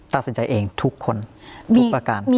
ตัดสินใจเองทุกคนทุกประการ